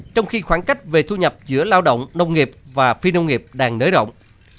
trong khi khoảng cách về thu nhập giữa lao động nông nghiệp và phi nông nghiệp đang nới rộng